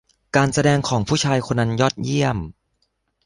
การแสดงของผู้ชายคนนั้นยอดเยี่ยม